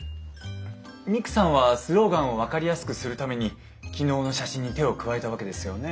ミクさんはスローガンを分かりやすくするために昨日の写真に手を加えたわけですよね？